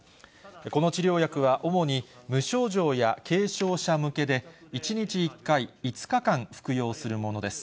この治療薬は主に無症状や軽症者向けで、１日１回５日間服用するものです。